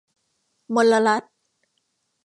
มลรัฐ